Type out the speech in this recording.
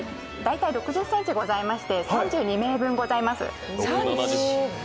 大体６０ｃｍございまして３２名分ございます。